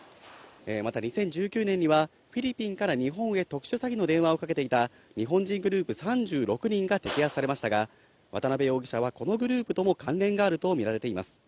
また２０１９年には、フィリピンから日本へ特殊詐欺の電話をかけていた、日本人グループ３６人が摘発されましたが、渡辺容疑者はこのグループとも関連があると見られています。